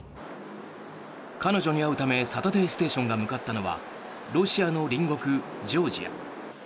彼女に会うため「サタデーステーション」が向かったのはロシアの隣国ジョージア。